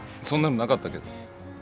そんなのなかったけど。